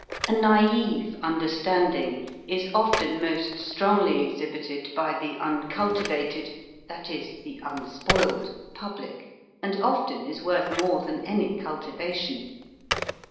A naive understanding is often most strongly exhibited by the uncultivated that is, the unspoiled public, and often is worth more than any cultivation.